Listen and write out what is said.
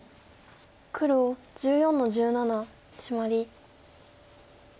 黒１４の十七シマリ。